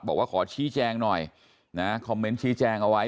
บอกว่าขอชี้แจงหน่อยนะคอมเมนต์ชี้แจงเอาไว้